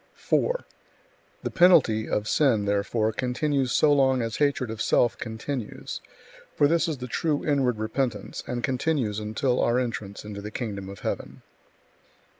4. The penalty [of sin], therefore, continues so long as hatred of self continues; for this is the true inward repentance, and continues until our entrance into the kingdom of heaven.